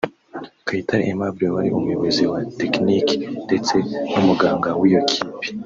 Kayitare Aimable wari umuyobozi wa Tekiniki ndetse n’umuganga w’iyo kipe